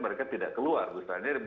mereka tidak keluar misalnya